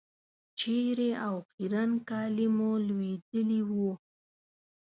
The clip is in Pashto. چېرې او خیرن کالي مو لوېدلي وو.